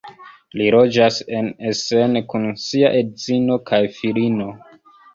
Li loĝas en Essen kun sia edzino kaj filino.